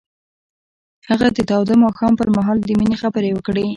هغه د تاوده ماښام پر مهال د مینې خبرې وکړې.